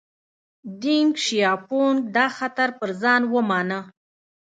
دینګ شیاپونګ دا خطر پر ځان ومانه.